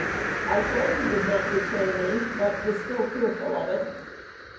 I thought he would not betray me, but was still fearful of it.